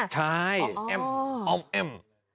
ใช่เอ็มอ๋อเอ็ม